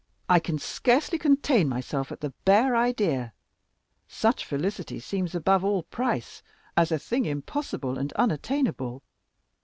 I can scarcely contain myself at the bare idea. Such felicity seems above all price—as a thing impossible and unattainable.